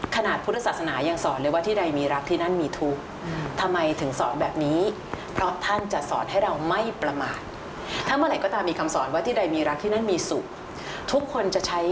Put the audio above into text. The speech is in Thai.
ขนาดพุทธศาสนายังสอนเลยว่า